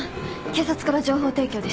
警察から情報提供です。